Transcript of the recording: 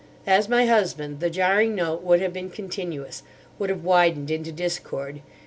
As my husband, the jarring note would have been continuous, would have widened into discord.